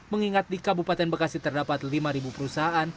mengingat di kabupaten bekasi terdapat lima perusahaan